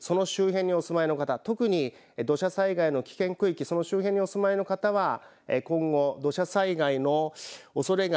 その周辺にお住まいの方特に土砂災害の危険区域その周辺にお住まいの方は今後土砂災害のおそれが